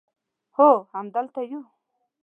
هو همدلته یو